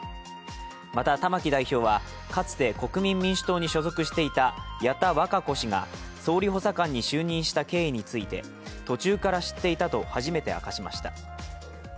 また、玉木代表はかつて国民民主党に所属していた矢田稚子氏が総理補佐官に就任した経緯について途中から知っていたと初めて明かしました。